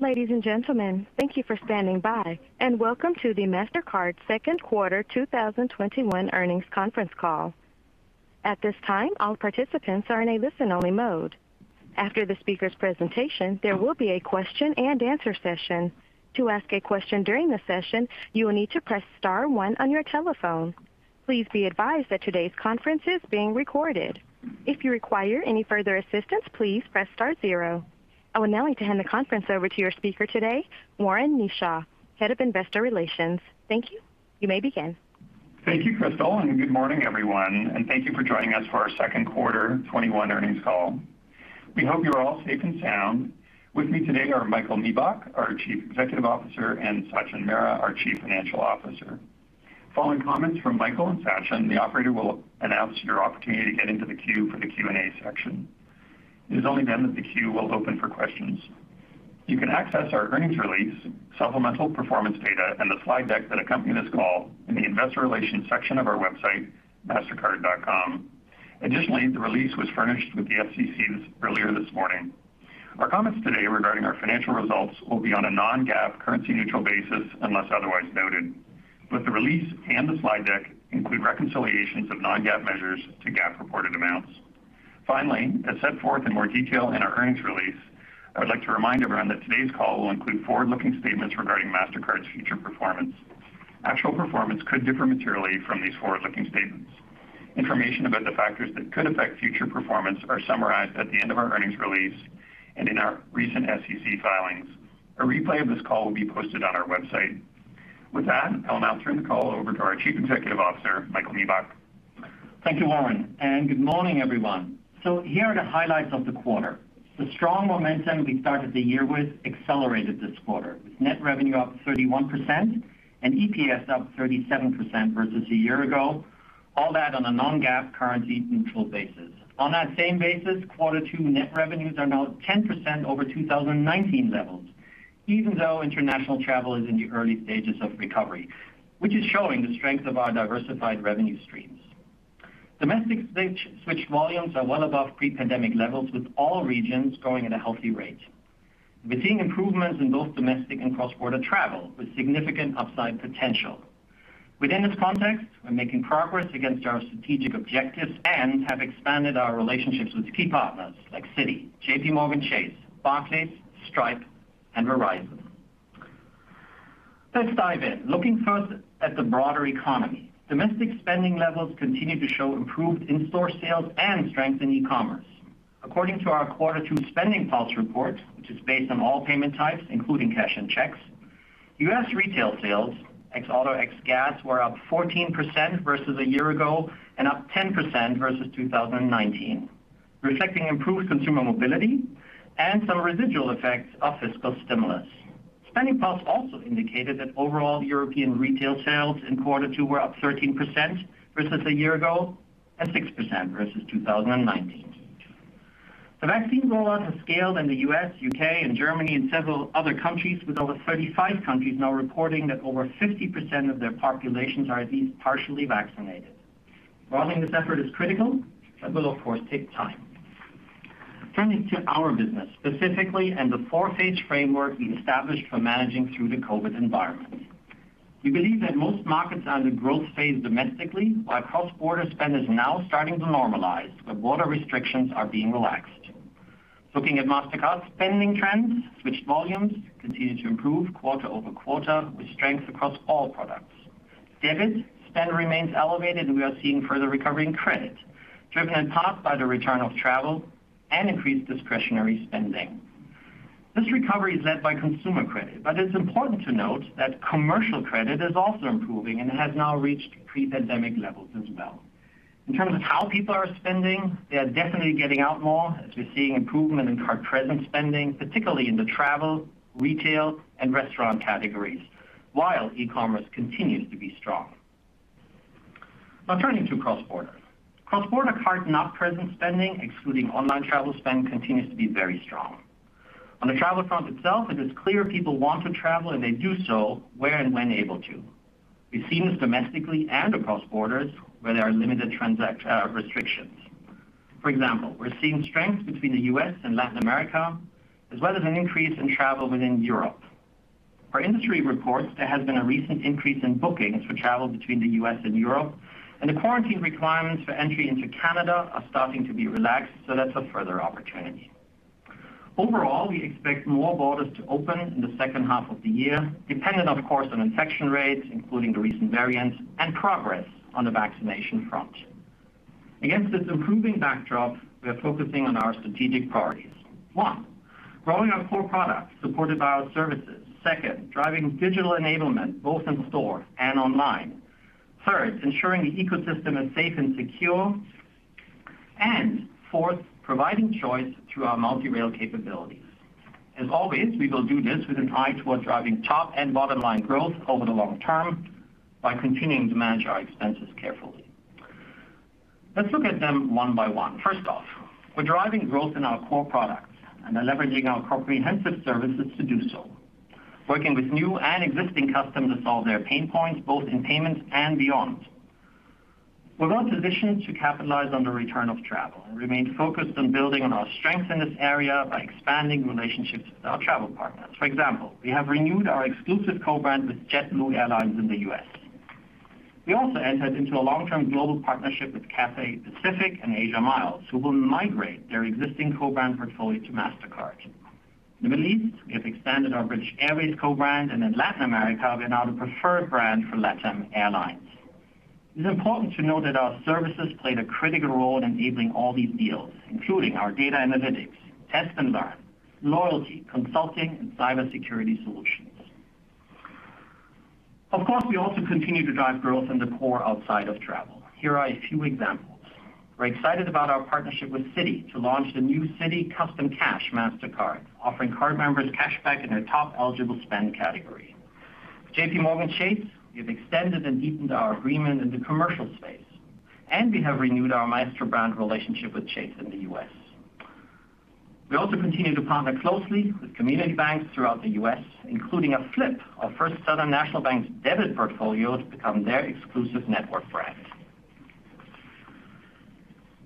Ladies and gentlemen, thank you for standing by. Welcome to the Mastercard Second Quarter 2021 Earnings Conference Call. At this time, all participants are on listen only mode. After the speaker presentation, there will be a question-and-answer session. To ask a question during the session, you will need to press star one on your telephone. Please be advised that today's conference is being recorded. If you require any further assistance, please press star zero. I would now like to hand the conference over to your speaker today, Warren Kneeshaw, Head of Investor Relations. Thank you. You may begin. Thank you, Crystal. Good morning, everyone, and thank you for joining us for our Second Quarter 2021 Earnings Call. We hope you're all safe and sound. With me today are Michael Miebach, our Chief Executive Officer, and Sachin Mehra, our Chief Financial Officer. Following comments from Michael and Sachin, the operator will announce your opportunity to get into the queue for the Q&A section. It is only then that the queue will open for questions. You can access our earnings release, supplemental performance data, and the slide deck that accompany this call in the investor relations section of our website, mastercard.com. The release was furnished with the SEC earlier this morning. Our comments today regarding our financial results will be on a non-GAAP, currency-neutral basis unless otherwise noted. The release and the slide deck include reconciliations of non-GAAP measures to GAAP reported amounts. Finally, as set forth in more detail in our earnings release, I would like to remind everyone that today's call will include forward-looking statements regarding Mastercard's future performance. Actual performance could differ materially from these forward-looking statements. Information about the factors that could affect future performance are summarized at the end of our earnings release and in our recent SEC filings. A replay of this call will be posted on our website. With that, I'll now turn the call over to our Chief Executive Officer, Michael Miebach. Thank you, Warren, and good morning, everyone. Here are the highlights of the quarter. The strong momentum we started the year with accelerated this quarter, with net revenue up 31% and EPS up 37% versus a year ago, all that on a non-GAAP, currency neutral basis. On that same basis, quarter two net revenues are now 10% over 2019 levels, even though international travel is in the early stages of recovery, which is showing the strength of our diversified revenue streams. Domestic switch volumes are well above pre-pandemic levels, with all regions growing at a healthy rate. We're seeing improvements in both domestic and cross-border travel, with significant upside potential. Within this context, we're making progress against our strategic objectives and have expanded our relationships with key partners like Citi, JPMorgan Chase, Barclays, Stripe, and Verizon. Let's dive in. Looking first at the broader economy. Domestic spending levels continue to show improved in-store sales and strength in e-commerce. According to our quarter two SpendingPulse report, which is based on all payment types, including cash and checks, U.S. retail sales, ex auto, ex gas, were up 14% versus a year ago and up 10% versus 2019, reflecting improved consumer mobility and some residual effects of fiscal stimulus. SpendingPulse also indicated that overall European retail sales in quarter two were up 13% versus a year ago and 6% versus 2019. The vaccine rollout has scaled in the U.S., U.K., and Germany and several other countries, with over 35 countries now reporting that over 50% of their populations are at least partially vaccinated. Broadening this effort is critical, but will of course take time. Turning to our business specifically and the four-phase framework we established for managing through the COVID environment. We believe that most markets are in the growth phase domestically, while cross-border spend is now starting to normalize where border restrictions are being relaxed. Looking at Mastercard spending trends, switched volumes continue to improve quarter-over-quarter with strength across all products. Debit spend remains elevated, and we are seeing further recovery in credit, driven in part by the return of travel and increased discretionary spending. This recovery is led by consumer credit, but it's important to note that commercial credit is also improving and has now reached pre-pandemic levels as well. In terms of how people are spending, they are definitely getting out more as we're seeing improvement in card-present spending, particularly in the travel, retail, and restaurant categories, while e-commerce continues to be strong. Now turning to cross-border. Cross-border card-not-present spending, excluding online travel spend, continues to be very strong. On the travel front itself, it is clear people want to travel and they do so where and when able to. We see this domestically and across borders where there are limited restrictions. For example, we're seeing strength between the U.S. and Latin America, as well as an increase in travel within Europe. Per industry reports, there has been a recent increase in bookings for travel between the U.S. and Europe, and the quarantine requirements for entry into Canada are starting to be relaxed, so that's a further opportunity. Overall, we expect more borders to open in the second half of the year, dependent of course on infection rates, including the recent variants, and progress on the vaccination front. Against this improving backdrop, we are focusing on our strategic priorities. One, growing our core products supported by our services. Second, driving digital enablement both in store and online. Third, ensuring the ecosystem is safe and secure. Fourth, providing choice through our multi-rail capabilities. As always, we will do this with an eye towards driving top and bottom line growth over the long term by continuing to manage our expenses carefully. Let's look at them one by one. First off, we're driving growth in our core products and are leveraging our comprehensive services to do so. Working with new and existing customers to solve their pain points, both in payments and beyond. We're well positioned to capitalize on the return of travel and remain focused on building on our strengths in this area by expanding relationships with our travel partners. For example, we have renewed our exclusive co-brand with JetBlue Airways in the U.S. We also entered into a long-term global partnership with Cathay Pacific and Asia Miles, who will migrate their existing co-brand portfolio to Mastercard. In the Middle East, we have expanded our British Airways co-brand, and in Latin America, we are now the preferred brand for LATAM Airlines. It is important to note that our services played a critical role in enabling all these deals, including our data analytics, Test & Learn, loyalty, consulting, and cybersecurity solutions. Of course, we also continue to drive growth in the core outside of travel. Here are a few examples. We're excited about our partnership with Citi to launch the new Citi Custom Cash Mastercard, offering card members cashback in their top eligible spend category. JPMorgan Chase, we have extended and deepened our agreement in the commercial space, and we have renewed our Maestro brand relationship with Chase in the U.S. We also continue to partner closely with community banks throughout the U.S., including a flip of First Southern National Bank's debit portfolio to become their exclusive network brand.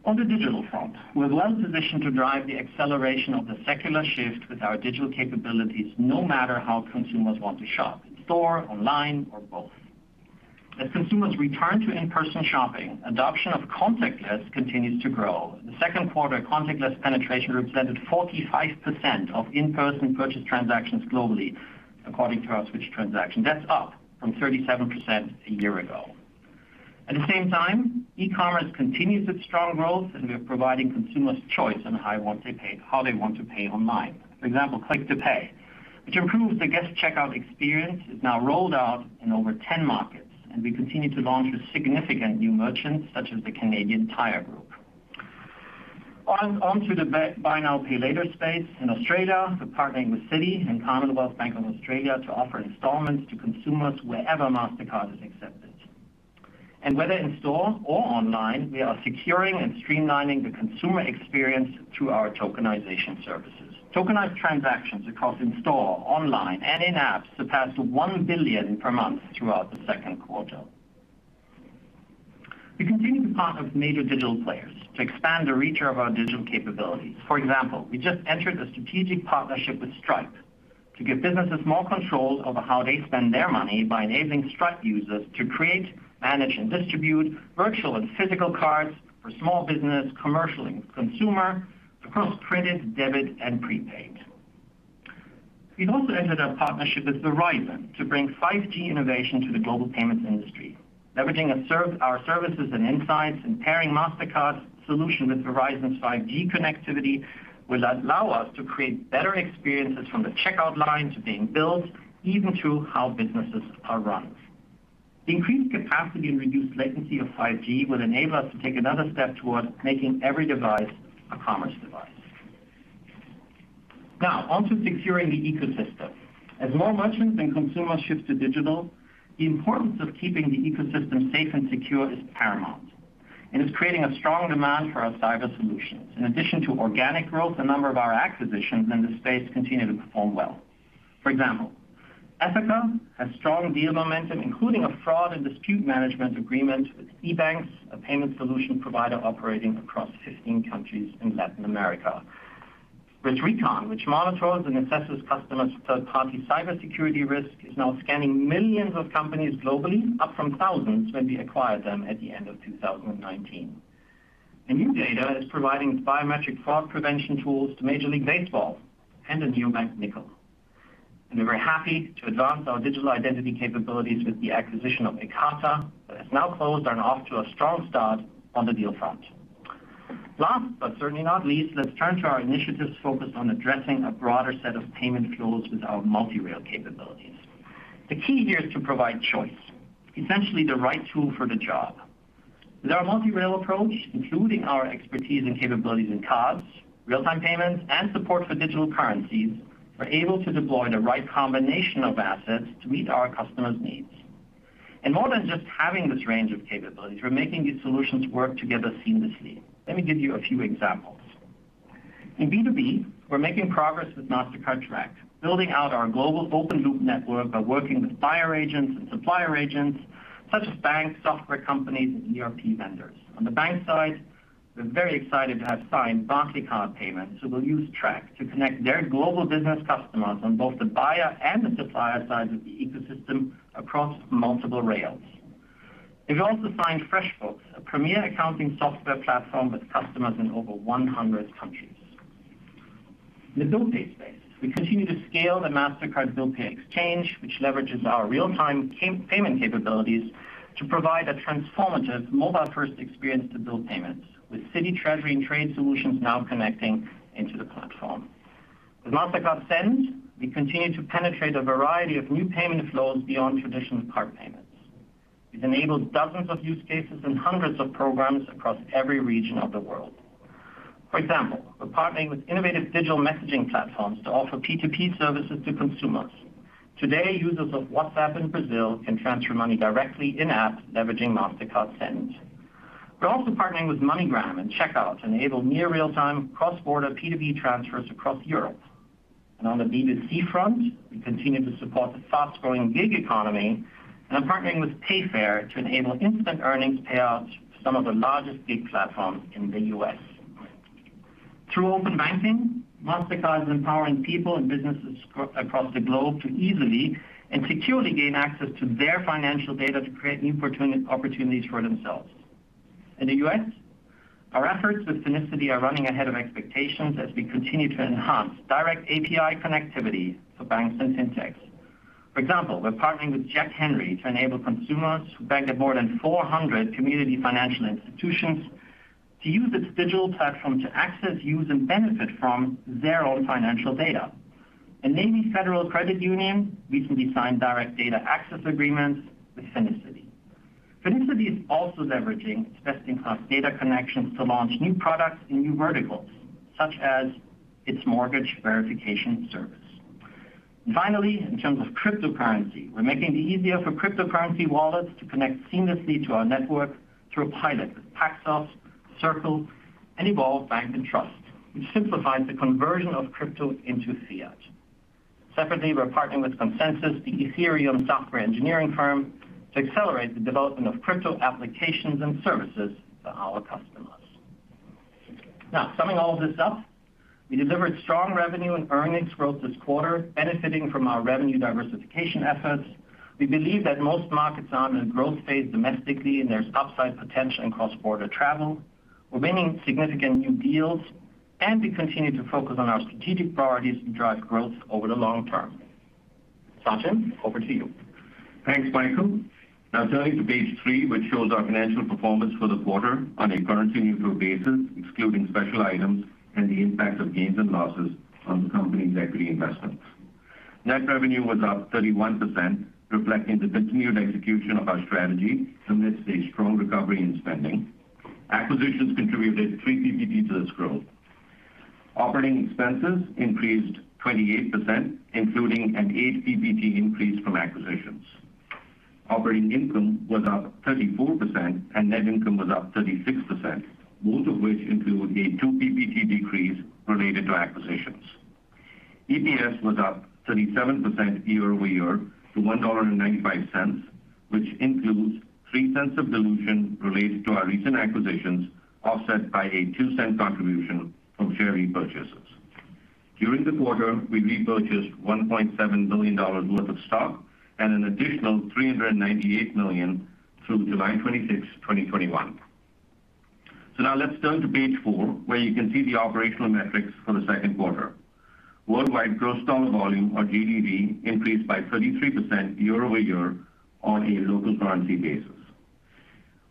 On the digital front, we're well positioned to drive the acceleration of the secular shift with our digital capabilities, no matter how consumers want to shop, in store, online, or both. As consumers return to in-person shopping, adoption of contactless continues to grow. In the second quarter, contactless penetration represented 45% of in-person purchase transactions globally, according to our switch transaction. That's up from 37% a year ago. At the same time, e-commerce continues its strong growth, and we are providing consumers choice on how they want to pay online. For example, Click to Pay, which improves the guest checkout experience, is now rolled out in over 10 markets, and we continue to launch with significant new merchants such as the Canadian Tire Group. On to the buy now, pay later space. In Australia, we're partnering with Citi and Commonwealth Bank of Australia to offer installments to consumers wherever Mastercard is accepted. Whether in store or online, we are securing and streamlining the consumer experience through our tokenization services. Tokenized transactions across in-store, online, and in apps surpassed 1 billion per month throughout the second quarter. We continue to partner with major digital players to expand the reach of our digital capabilities. For example, we just entered a strategic partnership with Stripe to give businesses more control over how they spend their money by enabling Stripe users to create, manage, and distribute virtual and physical cards for small business, commercial, and consumer across credit, debit, and prepaid. We've also entered a partnership with Verizon to bring 5G innovation to the global payments industry. Leveraging our services and insights and pairing Mastercard's solution with Verizon's 5G connectivity will allow us to create better experiences from the checkout line to being billed, even to how businesses are run. The increased capacity and reduced latency of 5G will enable us to take another step towards making every device a commerce device. Now, on to securing the ecosystem. As more merchants and consumers shift to digital, the importance of keeping the ecosystem safe and secure is paramount, and it's creating a strong demand for our cyber solutions. In addition to organic growth, a number of our acquisitions in this space continue to perform well. For example, Ethoca has strong deal momentum, including a fraud and dispute management agreement with EBANX, a payment solution provider operating across 15 countries in Latin America. RiskRecon, which monitors and assesses customers' third-party cybersecurity risk, is now scanning millions of companies globally, up from thousands when we acquired them at the end of 2019. NuData is providing biometric fraud prevention tools to Major League Baseball and the neobank Nickel. We're very happy to advance our digital identity capabilities with the acquisition of Ekata, that has now closed and off to a strong start on the deal front. Last, but certainly not least, let's turn to our initiatives focused on addressing a broader set of payment flows with our multi-rail capabilities. The key here is to provide choice, essentially the right tool for the job. With our multi-rail approach, including our expertise and capabilities in cards, real-time payments, and support for digital currencies, we're able to deploy the right combination of assets to meet our customers' needs. More than just having this range of capabilities, we're making these solutions work together seamlessly. Let me give you a few examples. In B2B, we're making progress with Mastercard Track, building out our global open-loop network by working with buyer agents and supplier agents, such as banks, software companies, and ERP vendors. On the bank side, we're very excited to have signed Barclaycard Payments, who will use Track to connect their global business customers on both the buyer and the supplier sides of the ecosystem across multiple rails. We've also signed FreshBooks, a premier accounting software platform with customers in over 100 countries. In the Bill Pay space, we continue to scale the Mastercard Bill Pay Exchange, which leverages our real-time payment capabilities to provide a transformative mobile-first experience to bill payments, with Citi Treasury and Trade Solutions now connecting into the platform. With Mastercard Send, we continue to penetrate a variety of new payment flows beyond traditional card payments. It enables dozens of use cases and hundreds of programs across every region of the world. For example, we're partnering with innovative digital messaging platforms to offer P2P services to consumers. Today, users of WhatsApp in Brazil can transfer money directly in-app leveraging Mastercard Send. On the B2C front, we continue to support the fast-growing gig economy and are partnering with Payfare to enable instant earnings payouts to some of the largest gig platforms in the U.S. Through open banking, Mastercard is empowering people and businesses across the globe to easily and securely gain access to their financial data to create new opportunities for themselves. In the U.S., our efforts with Finicity are running ahead of expectations as we continue to enhance direct API connectivity for banks and fintechs. For example, we're partnering with Jack Henry to enable consumers who bank at more than 400 community financial institutions to use its digital platform to access, use, and benefit from their own financial data. At Navy Federal Credit Union, we recently signed direct data access agreements with Finicity. Finicity is also leveraging its best-in-class data connections to launch new products in new verticals, such as its mortgage verification service. Finally, in terms of cryptocurrency, we're making it easier for cryptocurrency wallets to connect seamlessly to our network through a pilot with Paxos, Circle, and Evolve Bank & Trust, which simplifies the conversion of crypto into fiat. Separately, we're partnering with ConsenSys, the Ethereum software engineering firm, to accelerate the development of crypto applications and services for our customers. Summing all this up, we delivered strong revenue and earnings growth this quarter, benefiting from our revenue diversification efforts. We believe that most markets are in a growth phase domestically, and there's upside potential in cross-border travel. We're winning significant new deals, and we continue to focus on our strategic priorities to drive growth over the long term. Sachin, over to you. Thanks, Michael. Turning to page three, which shows our financial performance for the quarter on a currency-neutral basis, excluding special items and the impact of gains and losses on the company's equity investments. Net revenue was up 31%, reflecting the continued execution of our strategy amidst a strong recovery in spending. Acquisitions contributed 3 ppt to this growth. Operating expenses increased 28%, including an 8 ppt increase from acquisitions. Operating income was up 34%, and net income was up 36%, both of which include a 2 ppt decrease related to acquisitions. EPS was up 37% year-over-year to $1.95, which includes $0.03 of dilution related to our recent acquisitions, offset by a $0.02 contribution from share repurchases. During the quarter, we repurchased $1.7 billion worth of stock and an additional $398 million through July 26, 2021. Let's turn to page four, where you can see the operational metrics for the second quarter. Worldwide gross dollar volume or GDV increased by 33% year-over-year on a local currency basis.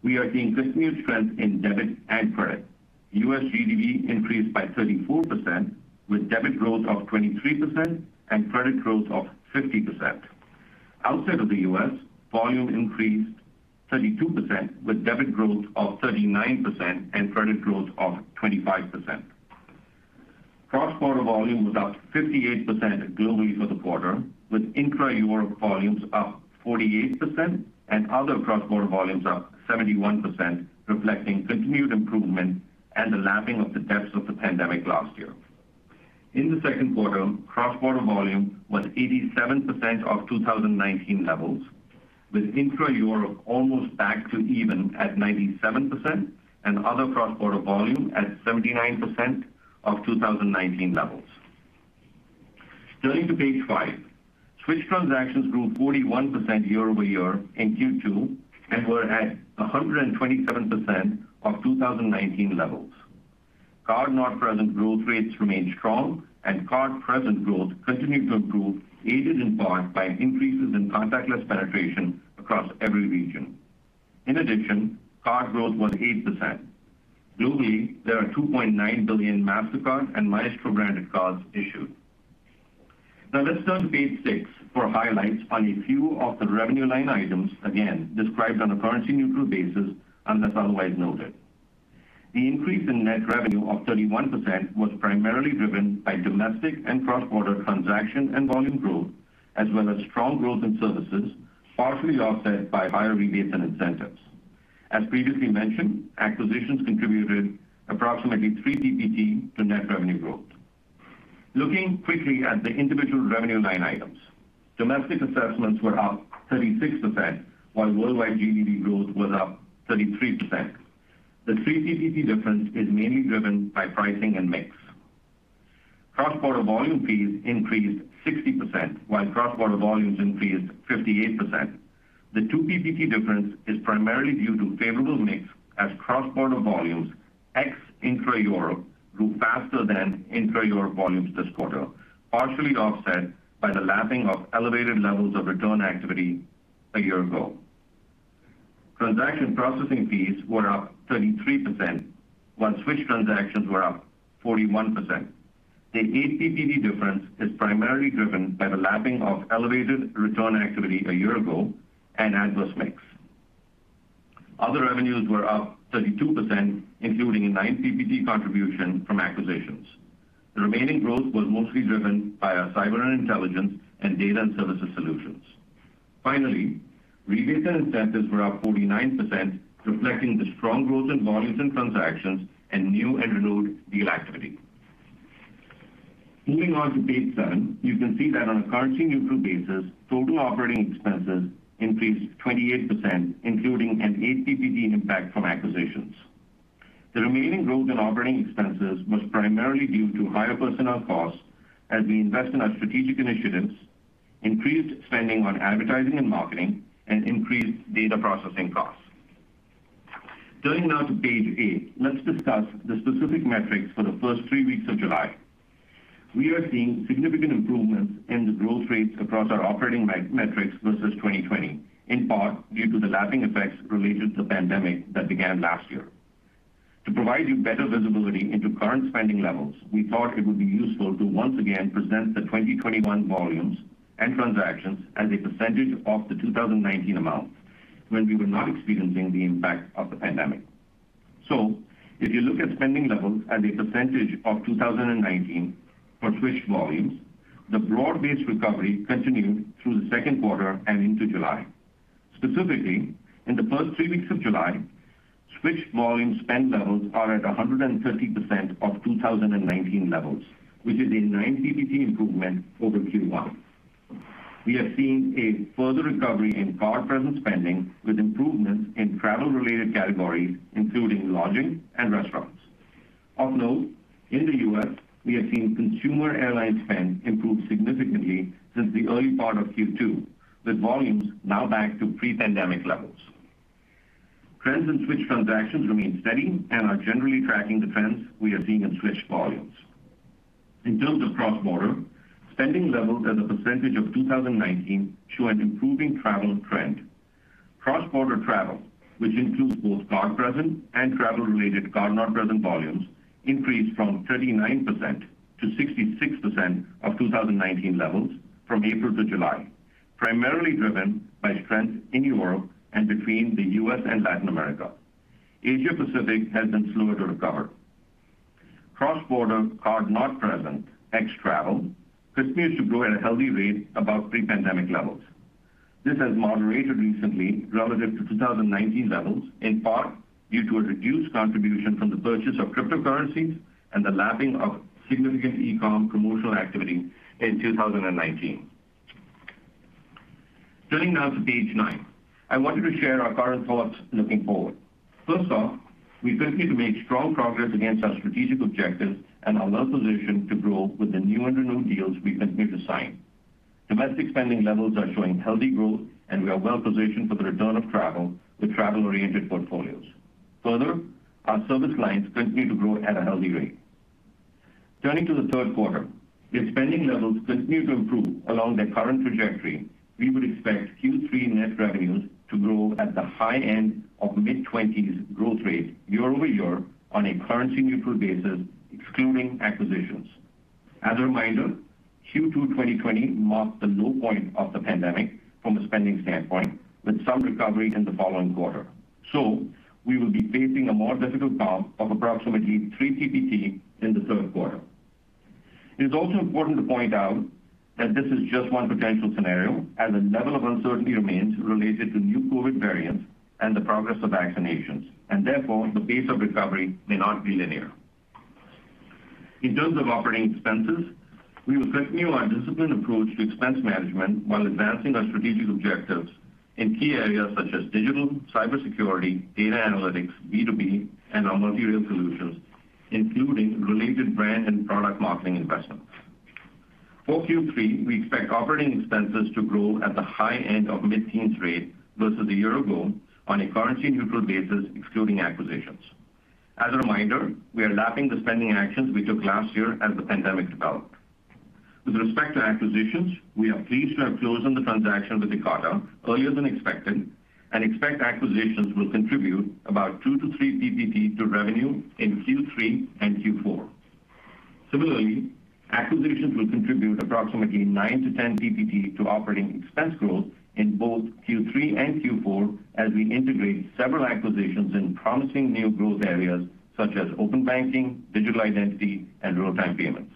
We are seeing continued strength in debit and credit. U.S. GDV increased by 34%, with debit growth of 23% and credit growth of 50%. Outside of the U.S., volume increased 32%, with debit growth of 39% and credit growth of 25%. Cross-border volume was up 58% globally for the quarter, with intra-Europe volumes up 48% and other cross-border volumes up 71%, reflecting continued improvement and the lapping of the depths of the pandemic last year. In the second quarter, cross-border volume was 87% of 2019 levels, with intra-Europe almost back to even at 97% and other cross-border volume at 79% of 2019 levels. Turning to page five. Switch transactions grew 41% year-over-year in Q2 and were at 127% of 2019 levels. Card-not-present growth rates remained strong, and card-present growth continued to improve, aided in part by increases in contactless penetration across every region. In addition, card growth was 8%. Globally, there are 2.9 billion Mastercard and Maestro-branded cards issued. Now let's turn to page six for highlights on a few of the revenue line items, again described on a currency-neutral basis unless otherwise noted. The increase in net revenue of 31% was primarily driven by domestic and cross-border transaction and volume growth, as well as strong growth in services, partially offset by higher rebates and incentives. As previously mentioned, acquisitions contributed approximately 3 ppt to net revenue growth. Looking quickly at the individual revenue line items. Domestic assessments were up 36%, while worldwide GDV growth was up 33%. The 3 ppt difference is mainly driven by pricing and mix. Cross-border volume fees increased 60%, while cross-border volumes increased 58%. The 2 ppt difference is primarily due to favorable mix as cross-border volumes ex intra-Europe grew faster than intra-Europe volumes this quarter, partially offset by the lapping of elevated levels of return activity a year ago. Transaction processing fees were up 33%, while switch transactions were up 41%. The 8 ppt difference is primarily driven by the lapping of elevated return activity a year ago and adverse mix. Other revenues were up 32%, including a 9 ppt contribution from acquisitions. The remaining growth was mostly driven by our cyber intelligence and data and services solutions. Finally, related incentives were up 49%, reflecting the strong growth in volumes and transactions and new and renewed deal activity. Moving on to page seven, you can see that on a currency-neutral basis, total operating expenses increased 28%, including an 8 ppt impact from acquisitions. The remaining growth in operating expenses was primarily due to higher personnel costs as we invest in our strategic initiatives, increased spending on advertising and marketing, and increased data processing costs. Turning now to page eight, let's discuss the specific metrics for the first three weeks of July. We are seeing significant improvements in the growth rates across our operating metrics versus 2020, in part due to the lapping effects related to the pandemic that began last year. To provide you better visibility into current spending levels, we thought it would be useful to once again present the 2021 volumes and transactions as a percentage of the 2019 amount when we were not experiencing the impact of the pandemic. If you look at spending levels as a percentage of 2019 for switched volumes, the broad-based recovery continued through the second quarter and into July. Specifically, in the first three weeks of July, switched volume spend levels are at 130% of 2019 levels, which is a 9 ppt improvement over Q1. We are seeing a further recovery in card-present spending with improvements in travel-related categories, including lodging and restaurants. Of note, in the U.S., we have seen consumer airline spend improve significantly since the early part of Q2, with volumes now back to pre-pandemic levels. Trends in switched transactions remain steady and are generally tracking the trends we are seeing in switched volumes. In terms of cross-border, spending levels as a percentage of 2019 show an improving travel trend. Cross-border travel, which includes both card present and travel-related card not present volumes, increased from 39%-66% of 2019 levels from April to July, primarily driven by trends in Europe and between the U.S. and Latin America. Asia Pacific has been slower to recover. Cross-border card not present, ex travel, continues to grow at a healthy rate above pre-pandemic levels. This has moderated recently relative to 2019 levels, in part due to a reduced contribution from the purchase of cryptocurrencies and the lapping of significant e-com promotional activity in 2019. Turning now to page nine. I wanted to share our current thoughts looking forward. First off, we continue to make strong progress against our strategic objectives and are well-positioned to grow with the new and renewed deals we continue to sign. Domestic spending levels are showing healthy growth, and we are well positioned for the return of travel with travel-oriented portfolios. Further, our service lines continue to grow at a healthy rate. Turning to the third quarter. If spending levels continue to improve along their current trajectory, we would expect Q3 net revenues to grow at the high end of mid-20%s growth rate year-over-year on a currency-neutral basis, excluding acquisitions. As a reminder, Q2 2020 marked the low point of the pandemic from a spending standpoint, with some recovery in the following quarter. We will be facing a more difficult comp of approximately 3 ppt in the third quarter. It is also important to point out that this is just one potential scenario, as a level of uncertainty remains related to new COVID variants and the progress of vaccinations, and therefore, the pace of recovery may not be linear. In terms of operating expenses, we will continue our disciplined approach to expense management while advancing our strategic objectives in key areas such as digital, cybersecurity, data analytics, B2B, and our material solutions, including related brand and product marketing investments. For Q3, we expect operating expenses to grow at the high end of mid-teens rate versus a year ago on a currency-neutral basis, excluding acquisitions. As a reminder, we are lapping the spending actions we took last year as the pandemic developed. With respect to acquisitions, we are pleased to have closed on the transaction with Ocado earlier than expected and expect acquisitions will contribute about 2 ppt-3 ppt to revenue in Q3 and Q4. Similarly, acquisitions will contribute approximately 9 ppt-10 ppt to operating expense growth in both Q3 and Q4 as we integrate several acquisitions in promising new growth areas such as open banking, digital identity, and real-time payments.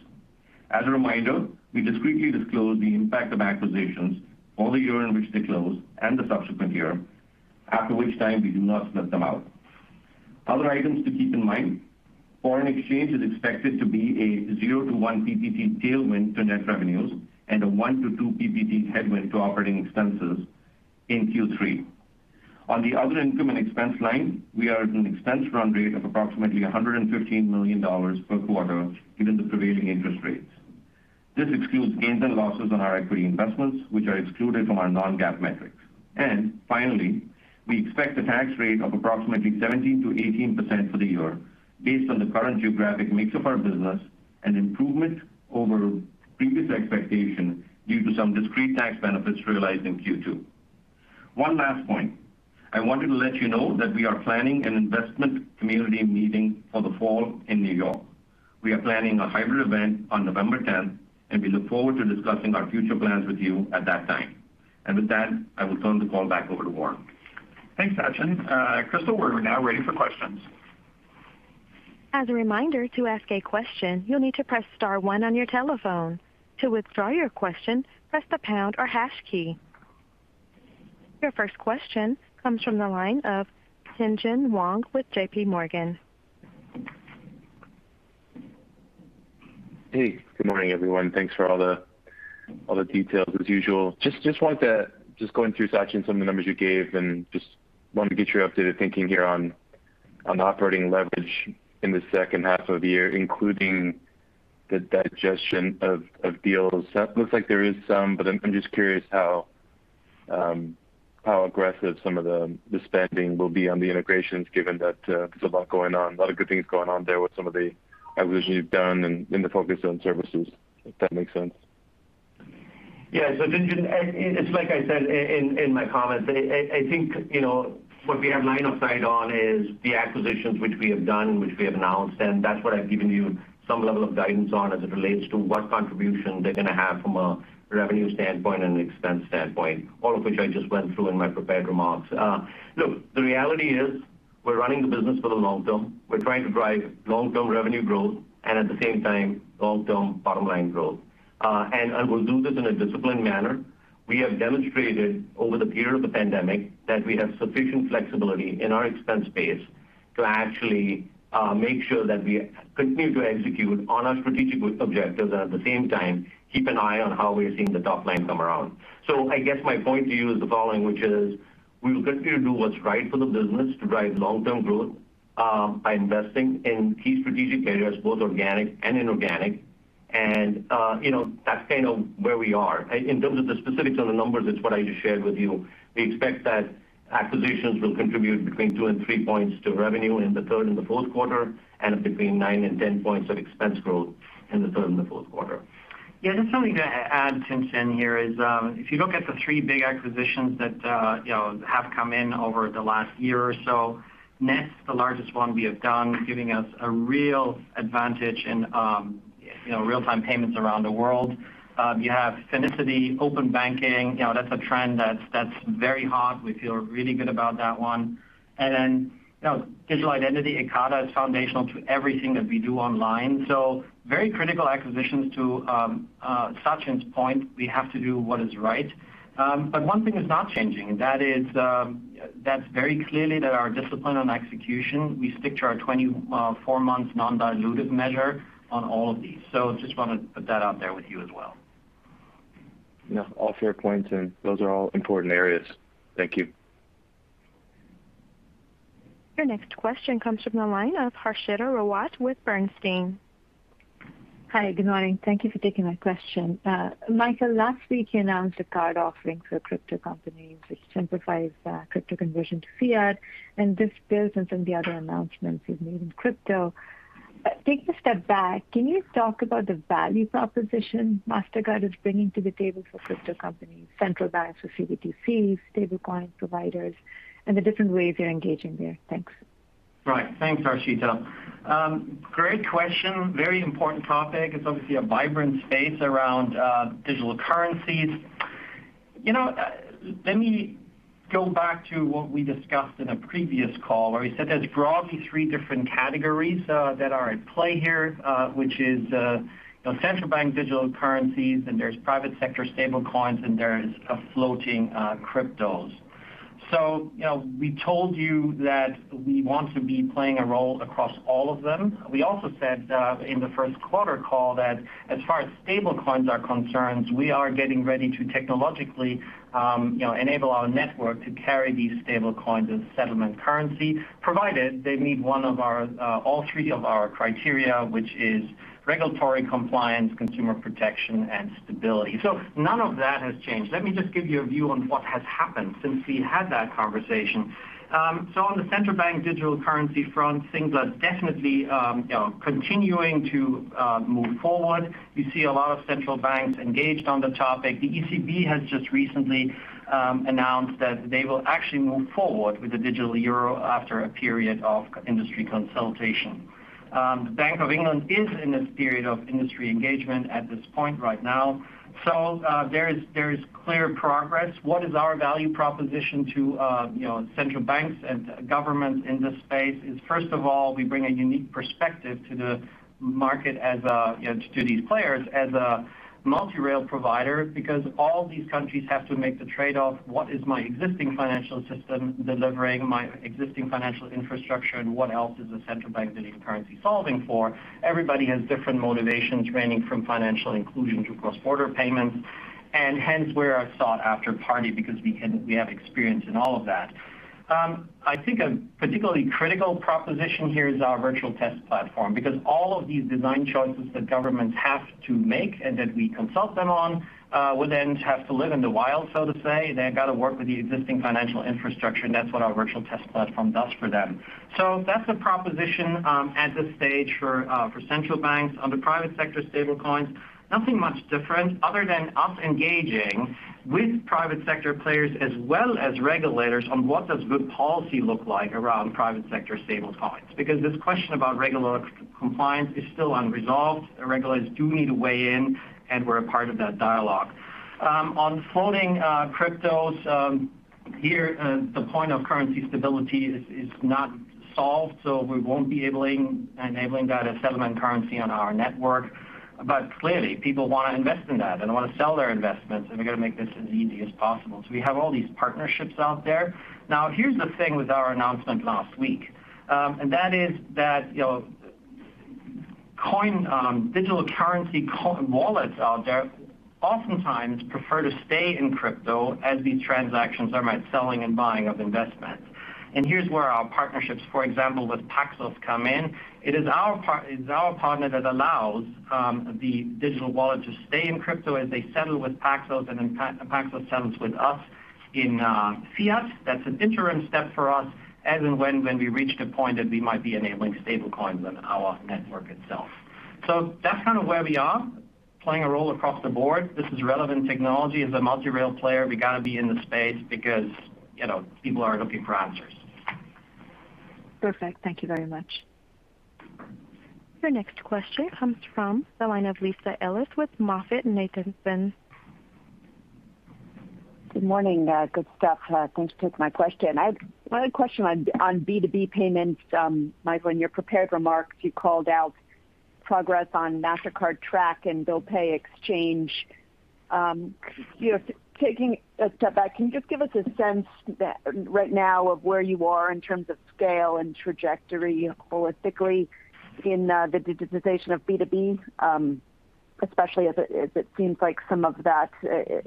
As a reminder, we discreetly disclose the impact of acquisitions for the year in which they close and the subsequent year, after which time we do not split them out. Other items to keep in mind, foreign exchange is expected to be a 0 ppt-1 ppt tailwind to net revenues and a 1 ppt-2 ppt headwind to operating expenses in Q3. On the other income and expense line, we are at an expense run rate of approximately $115 million per quarter given the prevailing interest rates. This excludes gains and losses on our equity investments, which are excluded from our non-GAAP metrics. Finally, we expect a tax rate of approximately 17%-18% for the year based on the current geographic mix of our business, an improvement over previous expectations due to some discrete tax benefits realized in Q2. One last point. I wanted to let you know that we are planning an investment community meeting for the fall in New York. We are planning a hybrid event on November 10th, and we look forward to discussing our future plans with you at that time. With that, I will turn the call back over to Warren. Thanks, Sachin. Crystal, we're now ready for questions. As a reminder, to ask a question, you'll need to press star one on your telephone. To withdraw your question, press the pound or hash key. Your first question comes from the line of Tien-Tsin Huang with JPMorgan. Hey, good morning, everyone. Thanks for all the details, as usual. Just going through, Sachin, some of the numbers you gave, and just wanted to get your updated thinking here on operating leverage in the second half of the year, including the digestion of deals. Looks like there is some. I'm just curious how aggressive some of the spending will be on the integrations, given that there's a lot going on, a lot of good things going on there with some of the acquisitions you've done and in the focus on services, if that makes sense. Yeah. Tien-Tsin, it's like I said in my comments. I think what we have line of sight on is the acquisitions which we have done, which we have announced, and that's what I've given you some level of guidance on as it relates to what contribution they're going to have from a revenue standpoint and an expense standpoint. All of which I just went through in my prepared remarks. Look, the reality is we're running the business for the long term. We're trying to drive long-term revenue growth and at the same time, long-term bottom-line growth. We'll do this in a disciplined manner. We have demonstrated over the period of the pandemic that we have sufficient flexibility in our expense base to actually make sure that we continue to execute on our strategic objectives and at the same time, keep an eye on how we are seeing the top line come around. I guess my point to you is the following, which is, we will continue to do what's right for the business to drive long-term growth by investing in key strategic areas, both organic and inorganic. That's kind of where we are. In terms of the specifics on the numbers, it's what I just shared with you. We expect that acquisitions will contribute between two and three points to revenue in the third and the fourth quarter, and between nine and 10 points of expense growth in the third and the fourth quarter. Just something to add, Tien-Tsin, here is, if you look at the three big acquisitions that have come in over the last year or so, Nets is the largest one we have done, giving us a real advantage in real-time payments around the world. You have Finicity open banking. That's a trend that's very hot. We feel really good about that one. And then digital identity, Ekata, is foundational to everything that we do online. Very critical acquisitions. To Sachin's point, we have to do what is right. One thing is not changing, and that's very clearly that our discipline on execution, we stick to our 24 months non-dilutive measure on all of these. Just want to put that out there with you as well. All fair points, and those are all important areas. Thank you. Your next question comes from the line of Harshita Rawat with Bernstein. Hi. Good morning. Thank you for taking my question. Michael, last week you announced a card offering for crypto companies which simplifies crypto conversion to fiat, and this builds on some of the other announcements you've made in crypto. Taking a step back, can you talk about the value proposition Mastercard is bringing to the table for crypto companies, central banks for CBDCs, stablecoin providers, and the different ways you're engaging there? Thanks. Right. Thanks, Harshita. Great question. Very important topic. It's obviously a vibrant space around digital currencies. Let me go back to what we discussed in a previous call where we said there's broadly three different categories that are at play here which is central bank digital currencies, and there's private sector stablecoins, and there's floating cryptos. We told you that we want to be playing a role across all of them. We also said in the first quarter call that as far as stablecoins are concerned, we are getting ready to technologically enable our network to carry these stablecoins as settlement currency, provided they meet all three of our criteria, which is regulatory compliance, consumer protection, and stability. None of that has changed. Let me just give you a view on what has happened since we had that conversation. On the central bank digital currency front, things are definitely continuing to move forward. We see a lot of central banks engaged on the topic. The ECB has just recently announced that they will actually move forward with the digital euro after a period of industry consultation. The Bank of England is in this period of industry engagement at this point right now. There is clear progress. What is our value proposition to central banks and governments in this space is, first of all, we bring a unique perspective to these players as a multi-rail provider because all these countries have to make the trade-off, what is my existing financial system delivering my existing financial infrastructure, and what else is the central bank digital currency solving for? Everybody has different motivations ranging from financial inclusion to cross-border payments, and hence we're a sought-after party because we have experience in all of that. I think a particularly critical proposition here is our virtual test platform, because all of these design choices that governments have to make and that we consult them on, will then have to live in the wild, so to say. They've got to work with the existing financial infrastructure, and that's what our virtual test platform does for them. That's the proposition at this stage for central banks. On the private sector stablecoins, nothing much different other than us engaging with private sector players as well as regulators on what does good policy look like around private sector stablecoins. This question about regulatory compliance is still unresolved. Regulators do need to weigh in, and we're a part of that dialogue. On floating cryptos- Here, the point of currency stability is not solved. We won't be enabling that as settlement currency on our network. Clearly, people want to invest in that and want to sell their investments. We've got to make this as easy as possible. We have all these partnerships out there. Now, here's the thing with our announcement last week. That is that digital currency wallets out there oftentimes prefer to stay in crypto as these transactions are made, selling and buying of investments. Here's where our partnerships, for example, with Paxos come in. It is our partner that allows the digital wallet to stay in crypto as they settle with Paxos and then Paxos settles with us in fiat. That's an interim step for us as and when we reach the point that we might be enabling stablecoins on our network itself. That's kind of where we are, playing a role across the board. This is relevant technology. As a multi-rail player, we've got to be in the space because people are looking for answers. Perfect. Thank you very much. Your next question comes from the line of Lisa Ellis with MoffettNathanson. Good morning. Good stuff. Thanks for taking my question. I had a question on B2B payments. Michael, in your prepared remarks, you called out progress on Mastercard Track and Bill Pay Exchange. Taking a step back, can you just give us a sense right now of where you are in terms of scale and trajectory holistically in the digitization of B2B? Especially as it seems like some of that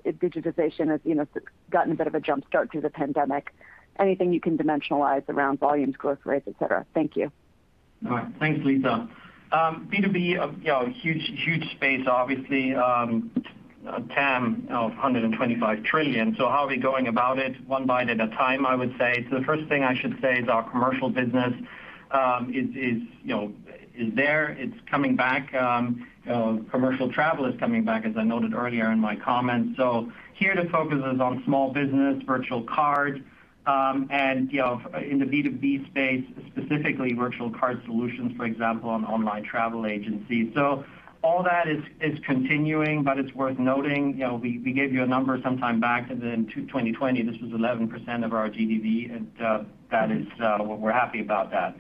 digitization has gotten a bit of a jumpstart through the pandemic. Anything you can dimensionalize around volumes, growth rates, et cetera. Thank you. All right. Thanks, Lisa. B2B, a huge space, obviously. TAM of $125 trillion. How are we going about it? One bite at a time, I would say. The first thing I should say is our commercial business is there. It's coming back. Commercial travel is coming back, as I noted earlier in my comments. Here, the focus is on small business, virtual card, and in the B2B space, specifically virtual card solutions, for example, on online travel agencies. All that is continuing, but it's worth noting, we gave you a number sometime back in 2020. This was 11% of our GDV, and we're happy about that.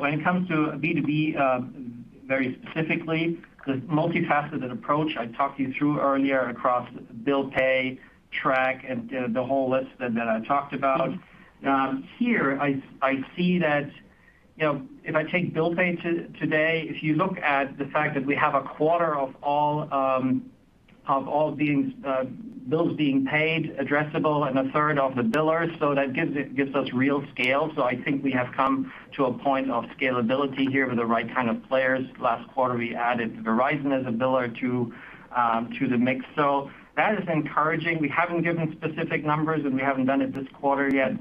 When it comes to B2B very specifically, the multifaceted approach I talked you through earlier across Bill Pay, Track, and the whole list that I talked about. Here, I see that if I take Bill Pay today, if you look at the fact that we have a quarter of all bills being paid addressable and 1/3 of the billers, that gives us real scale. I think we have come to a point of scalability here with the right kind of players. Last quarter, we added Verizon as a biller to the mix. That is encouraging. We haven't given specific numbers, and we haven't done it this quarter yet,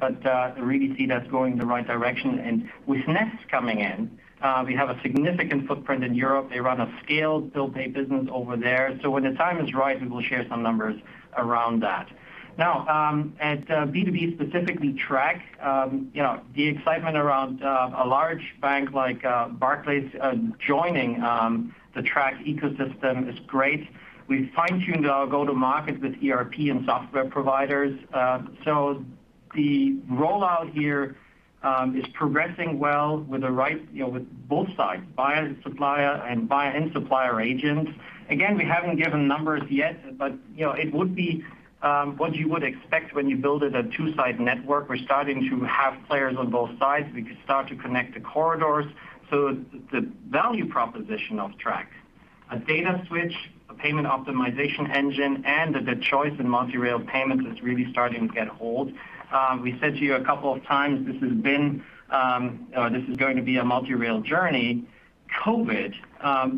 we really see that's going the right direction. With Nets coming in, we have a significant footprint in Europe. They run a scaled Bill Pay business over there. When the time is right, we will share some numbers around that. Now, at B2B, specifically Track, the excitement around a large bank like Barclays joining the Track ecosystem is great. We've fine-tuned our go-to-market with ERP and software providers. The rollout here is progressing well with both sides, buyer and supplier agents. Again, we haven't given numbers yet, but it would be what you would expect when you build a two-sided network. We're starting to have players on both sides. We could start to connect the corridors. The value proposition of Track, a data switch, a payment optimization engine, and the choice in multi-rail payments is really starting to get hold. We said to you a couple of times, this is going to be a multi-rail journey. COVID,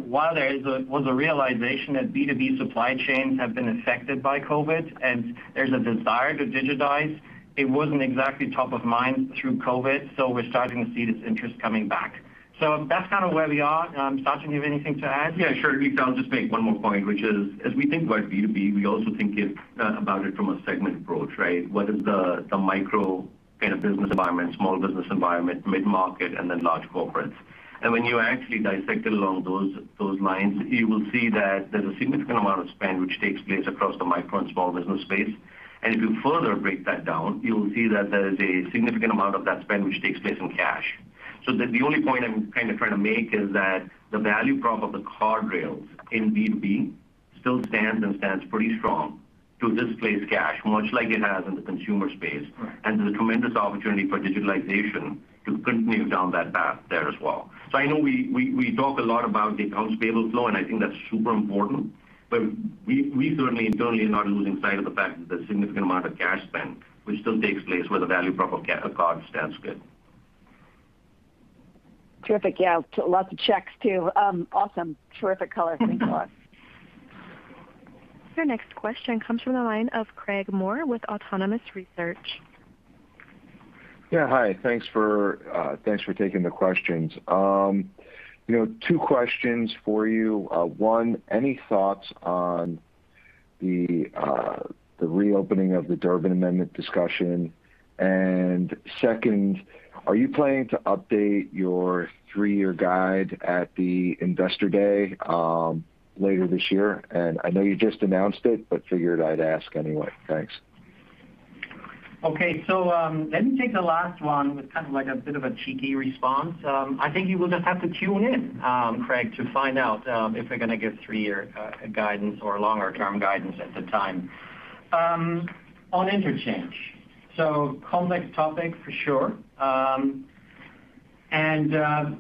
while there was a realization that B2B supply chains have been affected by COVID and there's a desire to digitize, it wasn't exactly top of mind through COVID, we're starting to see this interest coming back. That's kind of where we are. Sachin, you have anything to add? Yeah, sure, right. I'll just make one more point, which is, as we think about B2B, we also think about it from a segment approach, right? What is the micro kind of business environment, small business environment, mid-market, and then large corporates. When you actually dissect it along those lines, you will see that there's a significant amount of spend which takes place across the micro and small business space. If you further break that down, you'll see that there is a significant amount of that spend which takes place in cash. The only point I'm kind of trying to make is that the value prop of the card rails in B2B still stands and stands pretty strong to displace cash, much like it has in the consumer space. Right. There's a tremendous opportunity for digitalization to continue down that path there as well. I know we talk a lot about the accounts payable flow, and I think that's super important, but we certainly internally are not losing sight of the fact that there's a significant amount of cash spend which still takes place where the value prop of card stands good. Terrific. Yeah. Lots of checks, too. Awesome. Terrific color. Thanks a lot. Your next question comes from the line of Craig Maurer with Autonomous Research. Yeah, hi. Thanks for taking the questions. Two questions for you. One, any thoughts on the reopening of the Durbin Amendment discussion? Second, are you planning to update your three-year guide at the Investor Day later this year? I know you just announced it, but figured I'd ask anyway. Thanks. Okay. Let me take the last one with kind of like a bit of a cheeky response. I think you will just have to tune in, Craig, to find out if we're going to give three-year guidance or longer-term guidance at the time. On interchange. Complex topic for sure. The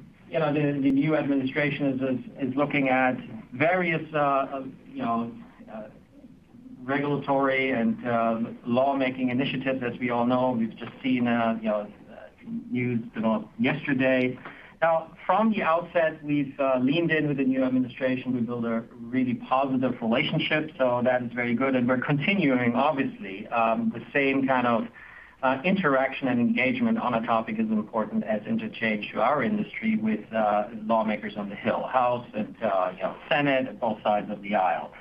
new administration is looking at various regulatory and lawmaking initiatives, as we all know. We've just seen news develop yesterday. From the outset, we've leaned in with the new administration to build a really positive relationship. That is very good and we're continuing, obviously, the same kind of interaction and engagement on a topic as important as interchange to our industry with lawmakers on the Hill, House and Senate and both sides of the aisle.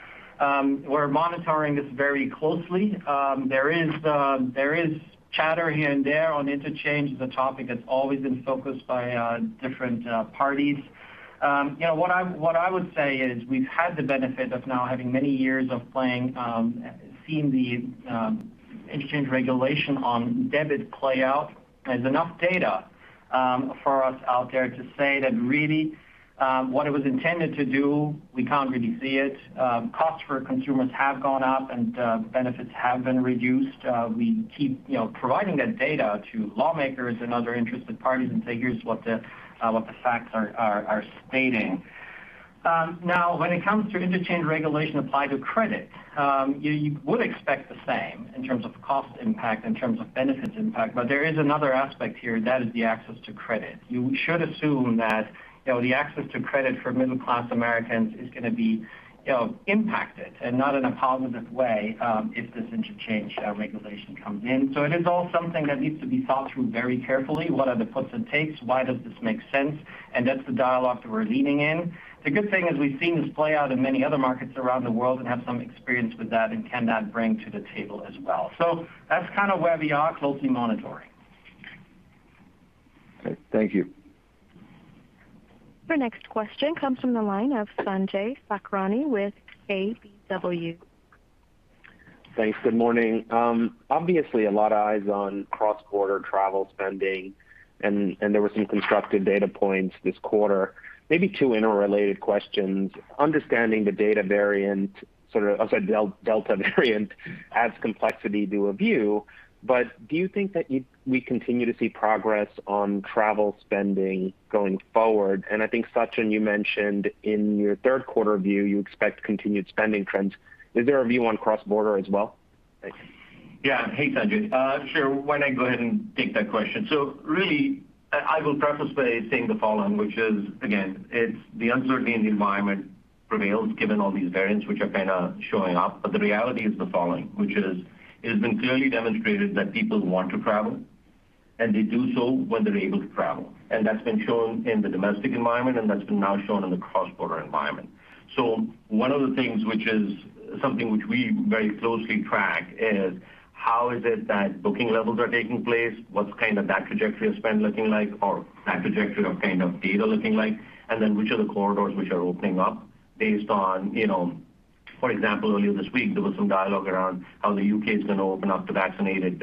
We're monitoring this very closely. There is chatter here and there on interchange. It's a topic that's always been focused by different parties. What I would say is we've had the benefit of now having many years of seeing the interchange regulation on debit play out. There's enough data for us out there to say that really, what it was intended to do, we can't really see it. Costs for consumers have gone up and benefits have been reduced. We keep providing that data to lawmakers and other interested parties and say, "Here's what the facts are stating." When it comes to interchange regulation applied to credit, you would expect the same in terms of cost impact, in terms of benefits impact, there is another aspect here, and that is the access to credit. You should assume that the access to credit for middle-class Americans is going to be impacted, and not in a positive way, if this interchange regulation comes in. It is all something that needs to be thought through very carefully. What are the puts and takes? Why does this make sense? That's the dialogue that we're leaning in. The good thing is we've seen this play out in many other markets around the world and have some experience with that and can now bring to the table as well. That's kind of where we are, closely monitoring. Okay. Thank you. Your next question comes from the line of Sanjay Sakhrani with KBW. Thanks. Good morning. A lot of eyes on cross-border travel spending and there were some constructive data points this quarter. Maybe two interrelated questions. Understanding the delta variant adds complexity to a view, do you think that we continue to see progress on travel spending going forward? I think Sachin, you mentioned in your third quarter view you expect continued spending trends. Is there a view on cross-border as well? Thanks. Yeah. Hey, Sanjay. Sure. Why don't I go ahead and take that question? Really I will preface by saying the following, which is, again, it's the uncertainty in the environment prevails given all these variants, which are kind of showing up. The reality is the following, which is it has been clearly demonstrated that people want to travel and they do so when they're able to travel. That's been shown in the domestic environment, and that's been now shown in the cross-border environment. One of the things which is something which we very closely track is how is it that booking levels are taking place, what's kind of that trajectory of spend looking like or that trajectory of kind of data looking like, and then which are the corridors which are opening up based on, for example, earlier this week there was some dialogue around how the U.K. is going to open up to vaccinated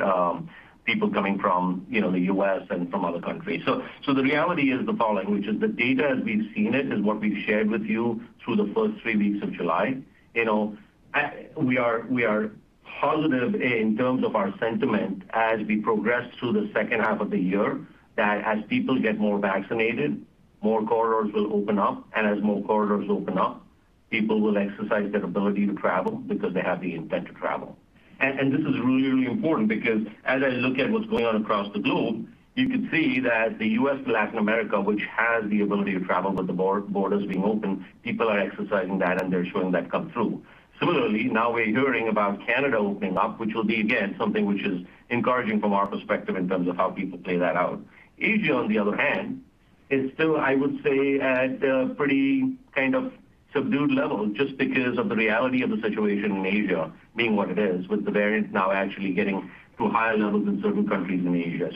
people coming from the U.S. and from other countries. The reality is the following, which is the data as we've seen it is what we've shared with you through the first three weeks of July. We are positive in terms of our sentiment as we progress through the second half of the year, that as people get more vaccinated, more corridors will open up. As more corridors open up, people will exercise their ability to travel because they have the intent to travel. This is really important because as I look at what's going on across the globe, you can see that the U.S. to Latin America, which has the ability to travel with the borders being open, people are exercising that and they're showing that come through. Similarly, now we're hearing about Canada opening up, which will be, again, something which is encouraging from our perspective in terms of how people play that out. Asia, on the other hand, is still, I would say, at a pretty kind of subdued level just because of the reality of the situation in Asia being what it is with the variants now actually getting to higher levels in certain countries in Asia.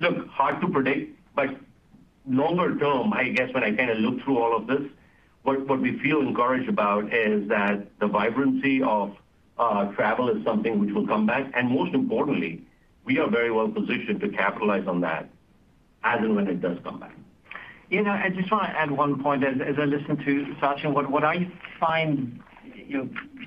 Look, hard to predict, but longer term, I guess when I kind of look through all of this, what we feel encouraged about is that the vibrancy of travel is something which will come back, and most importantly, we are very well positioned to capitalize on that as and when it does come back. I just want to add one point as I listen to Sachin. What I find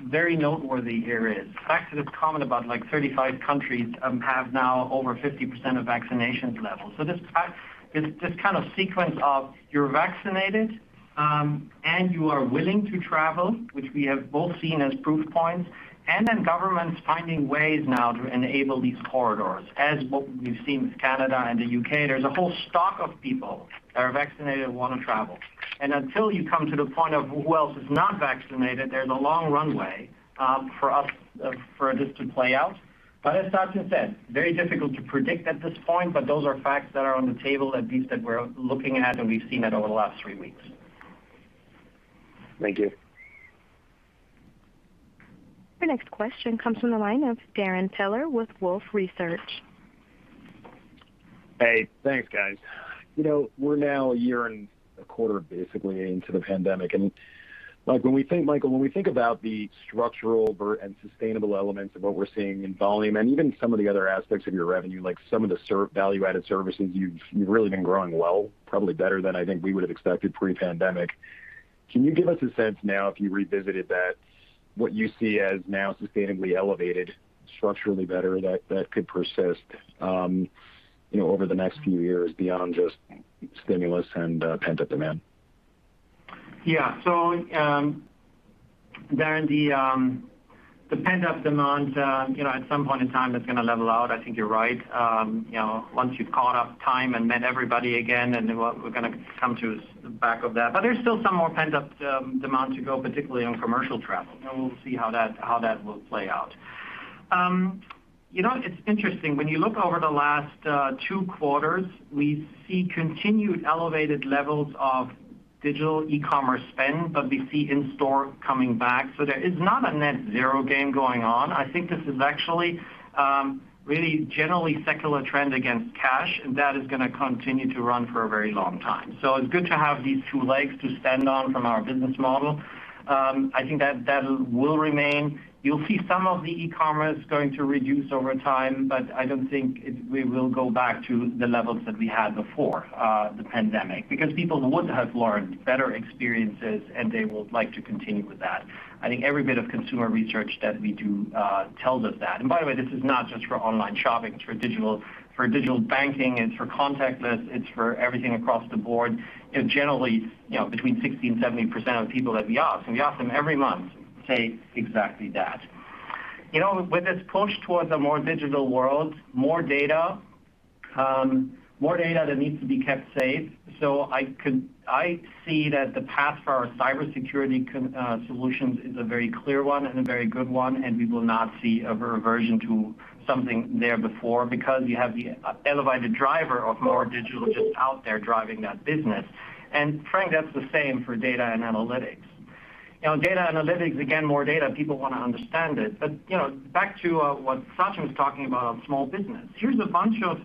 very noteworthy here is the fact that it's common about like 35 countries have now over 50% of vaccinations levels. This kind of sequence of you're vaccinated, and you are willing to travel, which we have both seen as proof points, and then governments finding ways now to enable these corridors as what we've seen with Canada and the U.K. There's a whole stock of people that are vaccinated and want to travel. Until you come to the point of who else is not vaccinated, there's a long runway for this to play out. As Sachin said, very difficult to predict at this point, but those are facts that are on the table at least that we're looking at and we've seen it over the last three weeks. Thank you. Your next question comes from the line of Darrin Peller with Wolfe Research. Hey, thanks guys. We're now a year and a quarter, basically, into the pandemic, and Michael, when we think about the structural and sustainable elements of what we're seeing in volume, and even some of the other aspects of your revenue, like some of the value-added services, you've really been growing well, probably better than I think we would've expected pre-pandemic. Can you give us a sense now, if you revisited that, what you see as now sustainably elevated, structurally better, that could persist over the next few years beyond just stimulus and pent-up demand? Yeah. Darrin, the pent-up demand, at some point in time, that's going to level out. I think you're right. Once you've caught up time and met everybody again, we're going to come to the back of that. There's still some more pent-up demand to go, particularly on commercial travel, and we'll see how that will play out. It's interesting. When you look over the last two quarters, we see continued elevated levels of digital e-commerce spend, but we see in-store coming back. There is not a net zero game going on. I think this is actually really generally secular trend against cash, that is going to continue to run for a very long time. It's good to have these two legs to stand on from our business model. I think that will remain. You'll see some of the e-commerce going to reduce over time, but I don't think we will go back to the levels that we had before the pandemic because people would have learned better experiences, and they would like to continue with that. I think every bit of consumer research that we do tells us that. By the way, this is not just for online shopping. It's for digital banking, it's for contactless, it's for everything across the board. Generally, between 60% and 70% of people that we ask, and we ask them every month, say exactly that. With this push towards a more digital world, more data that needs to be kept safe. I see that the path for our cybersecurity solutions is a very clear one and a very good one, and we will not see a reversion to something there before because you have the elevated driver of more digital just out there driving that business. Frankly, that's the same for data and analytics. Data analytics, again, more data, people want to understand it. Back to what Sachin was talking about on small business. Here's a bunch of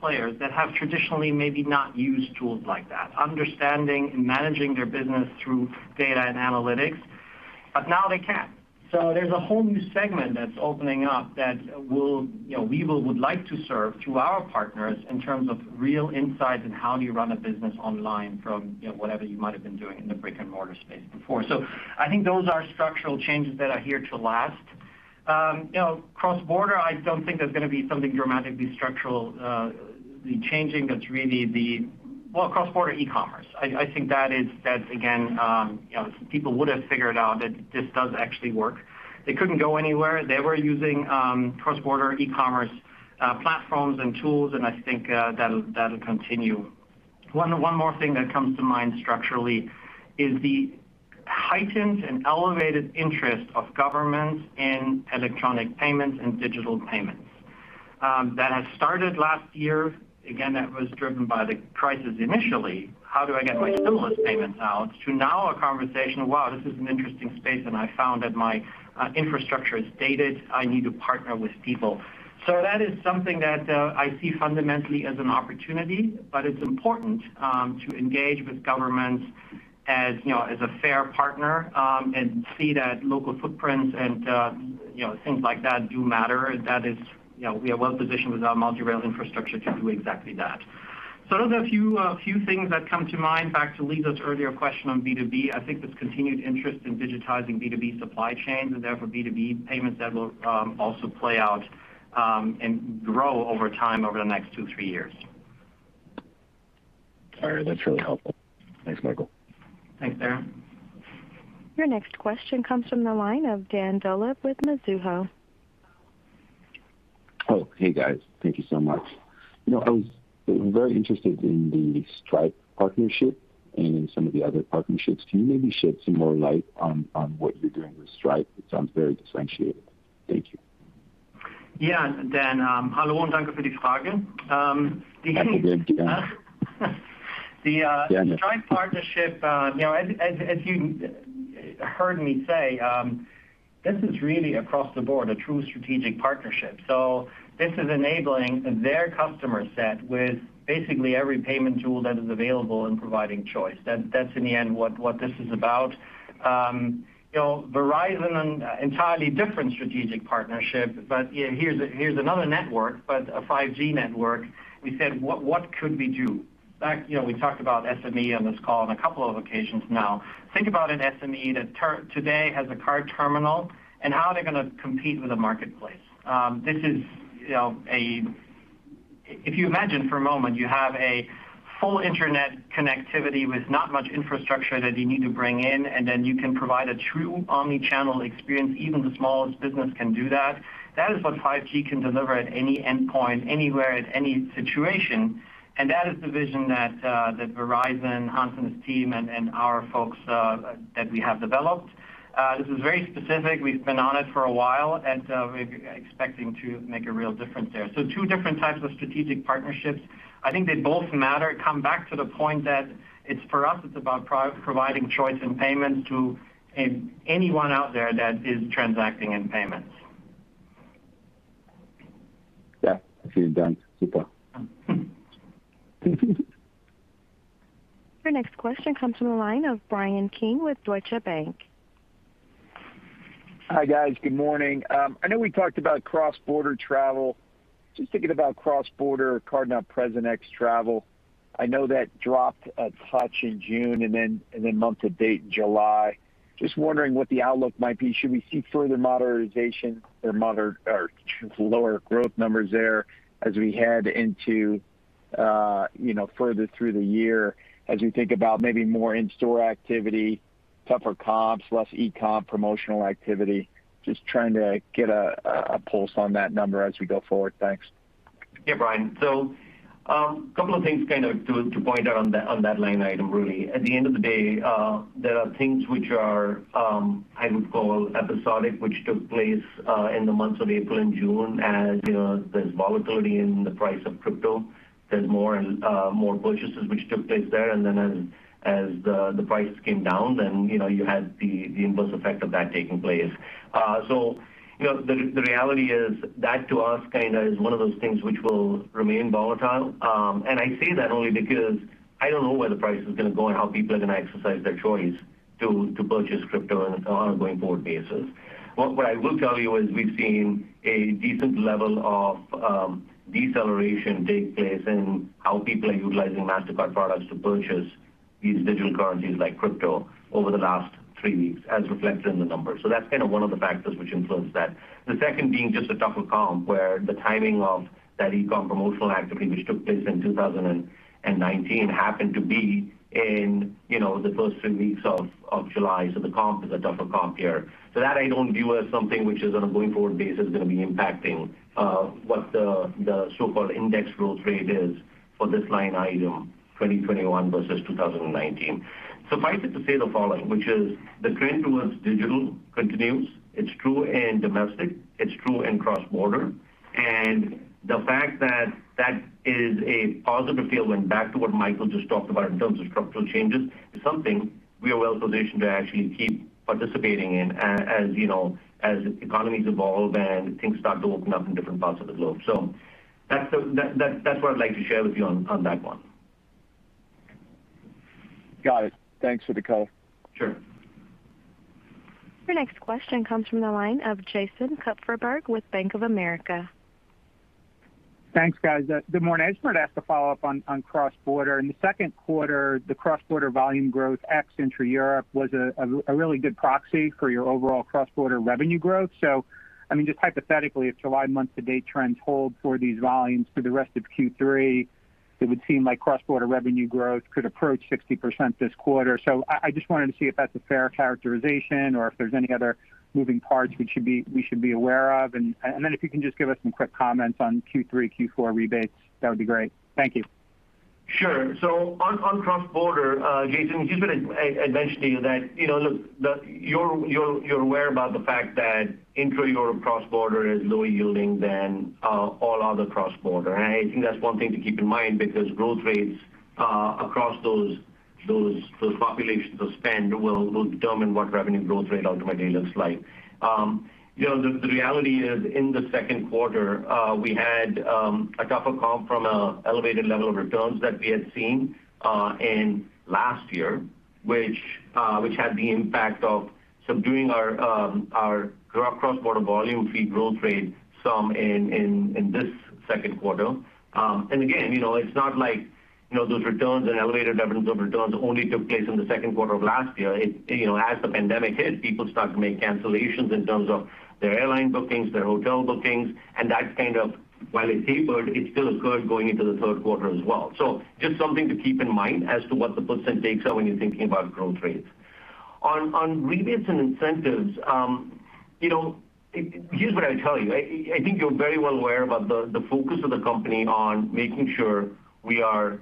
players that have traditionally maybe not used tools like that, understanding and managing their business through data and analytics, but now they can. There's a whole new segment that's opening up that we would like to serve through our partners in terms of real insights in how do you run a business online from whatever you might've been doing in the brick-and-mortar space before. I think those are structural changes that are here to last. Cross-border, I don't think there's going to be something dramatically structural changing cross-border e-commerce. I think that is, again, people would've figured out that this does actually work. They couldn't go anywhere. They were using cross-border e-commerce platforms and tools, and I think that'll continue. One more thing that comes to mind structurally is the heightened and elevated interest of governments in electronic payments and digital payments. That had started last year. Again, that was driven by the crisis initially. "How do I get my stimulus payments out?" To now a conversation of, "Wow, this is an interesting space, and I found that my infrastructure is dated. I need to partner with people." That is something that I see fundamentally as an opportunity, but it's important to engage with governments as a fair partner, and see that local footprints and things like that do matter. We are well-positioned with our multi-rail infrastructure to do exactly that. Those are a few things that come to mind. Back to Lisa's earlier question on B2B, I think this continued interest in digitizing B2B supply chains, and therefore B2B payments, that will also play out and grow over time over the next two, three years. All right. That's really helpful. Thanks, Michael. Thanks, Darrin. Your next question comes from the line of Dan Dolev with Mizuho. Hey guys. Thank you so much. I was very interested in the Stripe partnership and some of the other partnerships. Can you maybe shed some more light on what you're doing with Stripe? It sounds very differentiated. Thank you. Yeah, Dan. The Stripe partnership, as you heard me say, this is really across the board, a true strategic partnership. This is enabling their customer set with basically every payment tool that is available and providing choice. That's in the end what this is about. Verizon, an entirely different strategic partnership, here's another network, but a 5G network. We said, "What could we do?" We talked about SME on this call on a couple of occasions now. Think about an SME that today has a card terminal, and how they're going to compete with the marketplace. If you imagine for a moment you have a full internet connectivity with not much infrastructure that you need to bring in, and then you can provide a true omni-channel experience, even the smallest business can do that. That is what 5G can deliver at any endpoint, anywhere, at any situation. That is the vision that Verizon, Hans' team, and our folks, that we have developed. This is very specific. We've been on it for a while. We're expecting to make a real difference there. Two different types of strategic partnerships. I think they both matter. Come back to the point that it's for us, it's about providing choice and payment to anyone out there that is transacting in payments. She's done super. Your next question comes from the line of Bryan Keane with Deutsche Bank. Hi, guys. Good morning. I know we talked about cross-border travel. Just thinking about cross-border card-not-present travel. I know that dropped a touch in June and then month to date in July. Just wondering what the outlook might be. Should we see further modernization or lower growth numbers there as we head into further through the year, as we think about maybe more in-store activity, tougher comps, less e-com promotional activity? Just trying to get a pulse on that number as we go forward. Thanks. Yeah, Bryan. A couple of things to point out on that line item, really. At the end of the day, there are things which are, I would call episodic, which took place in the months of April and June. As there's volatility in the price of crypto, there's more purchases which took place there. As the price came down, then you had the inverse effect of that taking place. The reality is that to us is one of those things which will remain volatile. I say that only because I don't know where the price is going to go and how people are going to exercise their choice to purchase crypto on an ongoing forward basis. What I will tell you is we've seen a decent level of deceleration take place in how people are utilizing Mastercard products to purchase these digital currencies like crypto over the last three weeks as reflected in the numbers. That's one of the factors which influenced that. The second being just a tougher comp where the timing of that e-com promotional activity, which took place in 2019, happened to be in the first three weeks of July. The comp is a tougher comp year. That I don't view as something which is on a going forward basis going to be impacting what the so-called index growth rate is for this line item 2021 versus 2019. Suffice it to say the following, which is the trend towards digital continues. It's true in domestic, it's true in cross-border. The fact that that is a positive feeling back to what Michael just talked about in terms of structural changes is something we are well positioned to actually keep participating in as economies evolve and things start to open up in different parts of the globe. That's what I'd like to share with you on that one. Got it. Thanks for the call. Sure. Your next question comes from the line of Jason Kupferberg with Bank of America. Thanks, guys. Good morning. I just wanted to ask a follow-up on cross-border. In the second quarter, the cross-border volume growth ex intra Europe was a really good proxy for your overall cross-border revenue growth. Just hypothetically, if July month to date trends hold for these volumes for the rest of Q3, it would seem like cross-border revenue growth could approach 60% this quarter. I just wanted to see if that's a fair characterization or if there's any other moving parts we should be aware of. If you can just give us some quick comments on Q3, Q4 rebates, that would be great. Thank you. Sure. On cross-border, Jason, here's what I'd mention to you that look, you're aware about the fact that intra-Europe cross-border is lower yielding than all other cross-border. I think that's one thing to keep in mind because growth rates across those populations, those spend will determine what revenue growth rate ultimately looks like. The reality is in the second quarter, we had a tougher comp from an elevated level of returns that we had seen in last year which had the impact of subduing our cross-border volume fee growth rate some in this second quarter. Again it's not like those returns and elevated levels of returns only took place in the second quarter of last year. As the pandemic hit, people started to make cancellations in terms of their airline bookings, their hotel bookings, and that kind of while it tapered, it still occurred going into the third quarter as well. Just something to keep in mind as to what the percent takes are when you're thinking about growth rates. On rebates and incentives here's what I'd tell you. I think you're very well aware about the focus of the company on making sure we are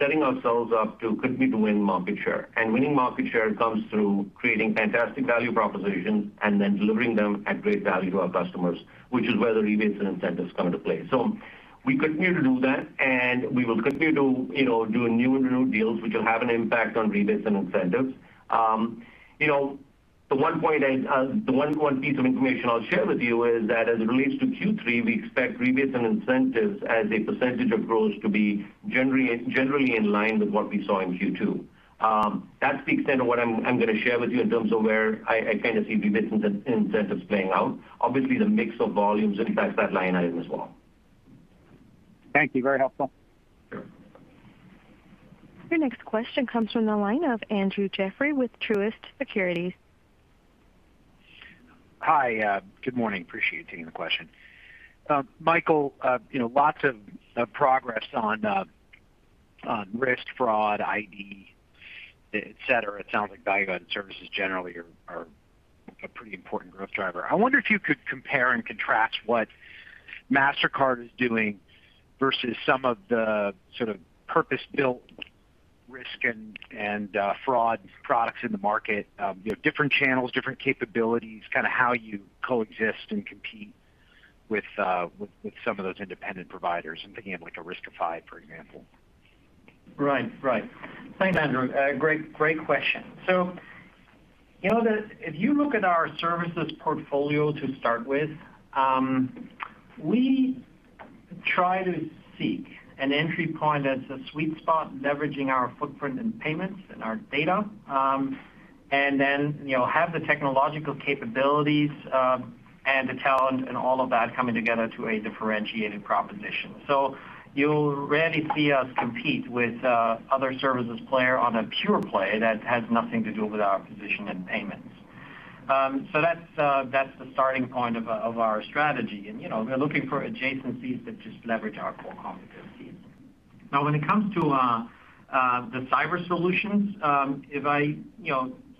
setting ourselves up to continue to win market share. Winning market share comes through creating fantastic value propositions and then delivering them at great value to our customers, which is where the rebates and incentives come into play. We continue to do that, and we will continue to do new and renewed deals, which will have an impact on rebates and incentives. The one piece of information I'll share with you is that as it relates to Q3, we expect rebates and incentives as a percentage of growth to be generally in line with what we saw in Q2. That's the extent of what I'm going to share with you in terms of where I see rebates and incentives playing out. Obviously, the mix of volumes impacts that line item as well. Thank you. Very helpful. Sure. Your next question comes from the line of Andrew Jeffrey with Truist Securities. Hi good morning. Appreciate you taking the question. Michael, lots of progress on risk fraud, ID, et cetera. It sounds like value added services generally are a pretty important growth driver. I wonder if you could compare and contrast what Mastercard is doing versus some of the sort of purpose-built risk and fraud products in the market. Different channels, different capabilities, how you coexist and compete with some of those independent providers. I'm thinking of like a Riskified, for example. Right. Thanks, Andrew. Great question. If you look at our services portfolio to start with, we try to seek an entry point that's a sweet spot, leveraging our footprint in payments and our data. Have the technological capabilities and the talent and all of that coming together to a differentiated proposition. You'll rarely see us compete with other services player on a pure play that has nothing to do with our position in payments. That's the starting point of our strategy. We're looking for adjacencies that just leverage our core competencies. When it comes to the cyber solutions, if I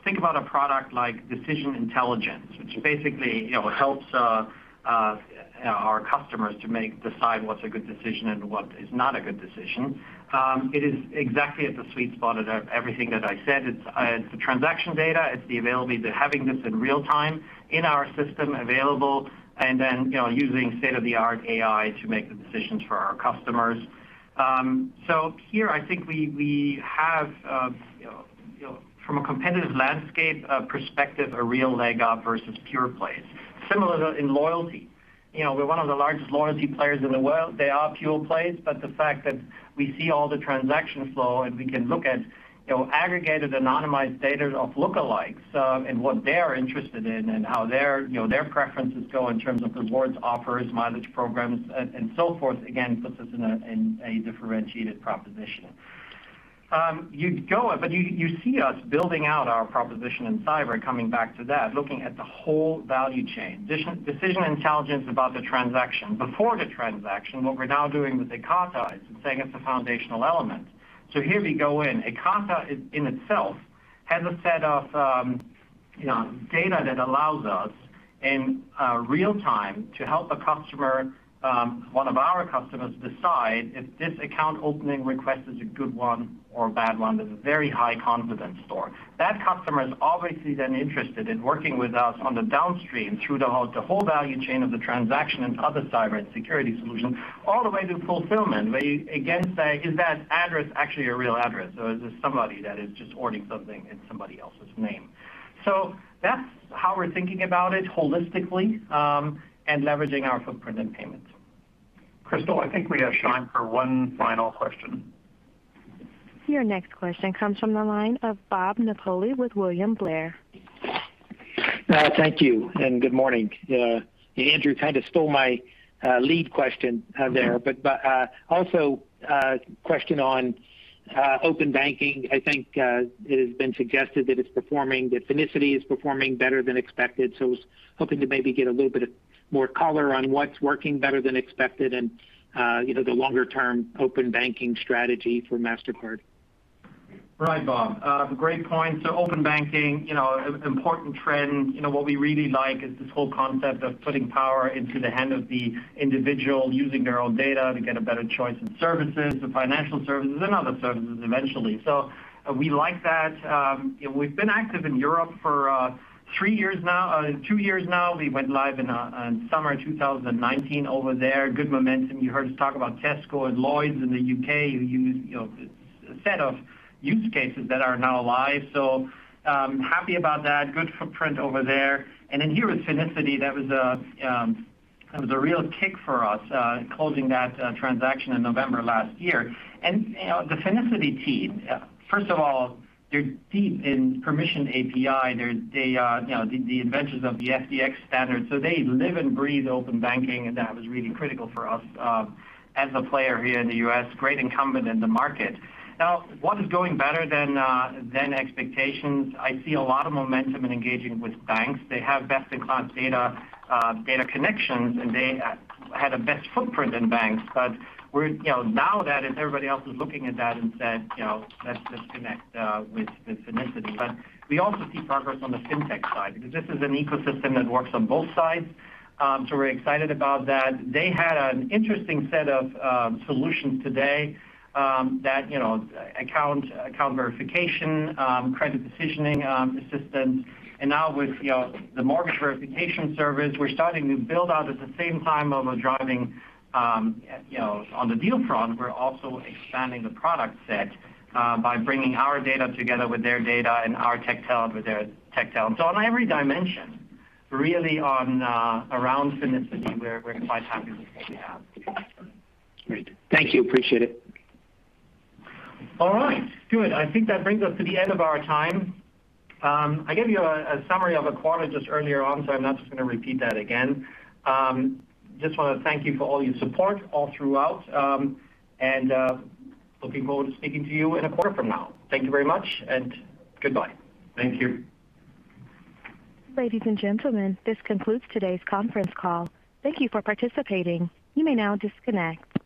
think about a product like Decision Intelligence, which basically helps our customers to decide what's a good decision and what is not a good decision. It is exactly at the sweet spot of everything that I said. It's the transaction data, it's the availability, the having this in real time in our system available, and then using state-of-the-art AI to make the decisions for our customers. Here, I think we have, from a competitive landscape perspective, a real leg up versus pure plays. Similar to in loyalty. We're one of the largest loyalty players in the world. They are pure plays, but the fact that we see all the transaction flow and we can look at aggregated, anonymized data of lookalikes and what they're interested in and how their preferences go in terms of rewards, offers, mileage programs, and so forth, again, puts us in a differentiated proposition. You see us building out our proposition in cyber and coming back to that, looking at the whole value chain. Decision Intelligence about the transaction. Before the transaction, what we're now doing with Ekata is saying it's a foundational element. Here we go in. Ekata in itself has a set of data that allows us in real time to help a customer, one of our customers decide if this account opening request is a good one or a bad one with very high confidence score. That customer is obviously then interested in working with us on the downstream through the whole value chain of the transaction and other cybersecurity solutions all the way to fulfillment where you again say, "Is that address actually a real address or is this somebody that is just ordering something in somebody else's name?" That's how we're thinking about it holistically and leveraging our footprint in payments. Crystal, I think we have time for one final question. Your next question comes from the line of Bob Napoli with William Blair. Thank you, and good morning. Andrew kind of stole my lead question there. Also a question on open banking. I think it has been suggested that Finicity is performing better than expected, was hoping to maybe get a little bit of more color on what's working better than expected and the longer-term open banking strategy for Mastercard. Bob. Great point. Open banking, important trend. What we really like is this whole concept of putting power into the hand of the individual using their own data to get a better choice in services, the financial services and other services eventually. We like that. We've been active in Europe for two years now. We went live in summer 2019 over there. Good momentum. You heard us talk about Tesco and Lloyds in the U.K., a set of use cases that are now live. Happy about that. Good footprint over there. Here with Finicity, that was a real kick for us closing that transaction in November last year. The Finicity team, first of all, they're deep in permission API. They are the inventors of the FDX standard. They live and breathe open banking, and that was really critical for us as a player here in the U.S. Great incumbent in the market. What is going better than expectations? I see a lot of momentum in engaging with banks. They have best-in-class data connections, and they had a best footprint in banks. Now everybody else is looking at that and said, "Let's just connect with Finicity." We also see progress on the fintech side because this is an ecosystem that works on both sides. We're excited about that. They had an interesting set of solutions today that account verification, credit decisioning assistance, and now with the mortgage verification service. We're starting to build out at the same time while we're driving on the deal front, we're also expanding the product set by bringing our data together with their data and our tech talent with their tech talent. On every dimension really around Finicity, we're quite happy with what we have. Great. Thank you. Appreciate it. All right. Good. I think that brings us to the end of our time. I gave you a summary of the quarter just earlier on, so I'm not just going to repeat that again. Just want to thank you for all your support all throughout, and looking forward to speaking to you in a quarter from now. Thank you very much, and goodbye. Thank you. Ladies and gentlemen, this concludes today's conference call. Thank you for participating. You may now disconnect.